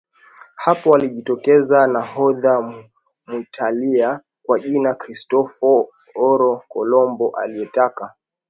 Hapo alijitokeza nahodha Mwitalia kwa jina Kristoforo Kolombo aliyetaka